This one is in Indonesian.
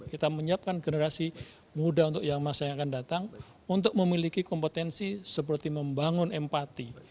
kita menyiapkan generasi muda untuk yang masa yang akan datang untuk memiliki kompetensi seperti membangun empati